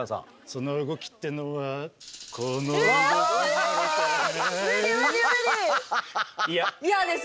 その動きってのはイヤです。